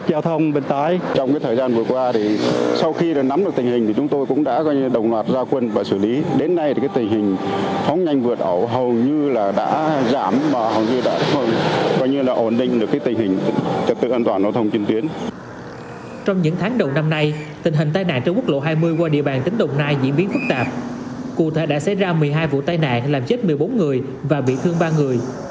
cụ thể đã xảy ra một mươi hai vụ tai nạn làm chết một mươi bốn người và bị thương ba người